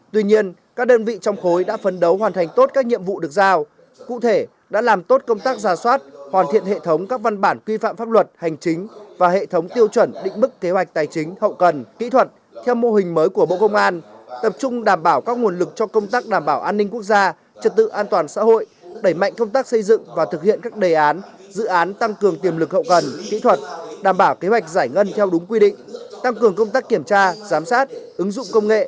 tuy nhiên các đơn vị trong khối đã phấn đấu hoàn thành tốt các nhiệm vụ được giao cụ thể đã làm tốt công tác giả soát hoàn thiện hệ thống các văn bản quy phạm pháp luật hành chính và hệ thống tiêu chuẩn định bức kế hoạch tài chính hậu cần kỹ thuật theo mô hình mới của bộ công an tập trung đảm bảo các nguồn lực cho công tác đảm bảo an ninh quốc gia trật tự an toàn xã hội đẩy mạnh công tác xây dựng và thực hiện các đề án dự án tăng cường tiềm lực hậu cần kỹ thuật đảm bảo kế hoạch giải ngân theo